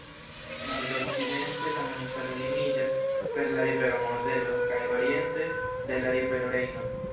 Nordokcidente la montaro limiĝas per la rivero Mozelo kaj oriente de la rivero Rejno.